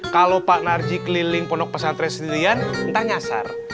kalau pak narji keliling pondok pesantren sendirian entah nyasar